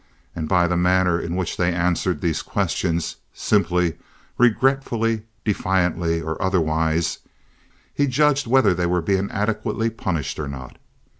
and by the manner in which they answered these questions—simply, regretfully, defiantly, or otherwise—he judged whether they were being adequately punished or not.